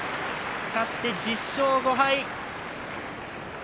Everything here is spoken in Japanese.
勝って１０勝５敗。